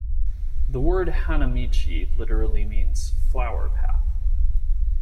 The word "hanamichi" literally means "flower path.